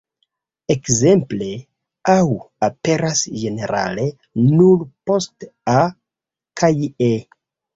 Ekzemple "ŭ" aperas ĝenerale nur post "a" kaj "e".